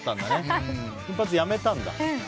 金髪やめたんだ。